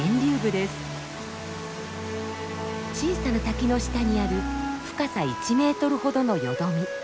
小さな滝の下にある深さ１ｍほどのよどみ。